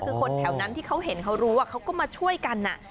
คือคนแถวนั้นที่เขาเห็นเขารู้เขาก็มาช่วยกัน